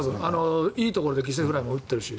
いいところで犠牲フライも打ってるし。